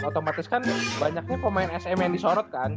otomatis kan banyaknya pemain sm yang disorot kan